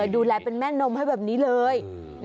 ดูแลเป็นแม่นมให้แบบนี้เลย